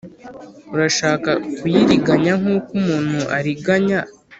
murashaka kuyiriganya nk uko umuntu ariganya